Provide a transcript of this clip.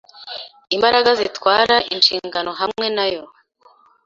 Imbaraga zitwara inshingano hamwe nayo.